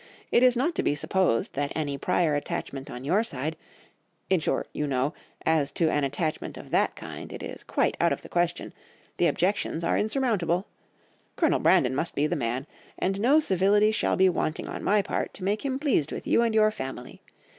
It is not to be supposed that any prior attachment on your side—in short you know, as to an attachment of that kind it is quite out of the question, the objections are insurmountable—Colonel Brandon must be the man; and no civility shall be wanting on my part to make him pleased with you and your family.